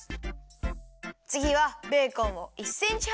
つぎはベーコンを１センチはばにきるよ。